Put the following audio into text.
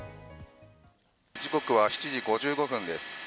時刻は７時５５分です。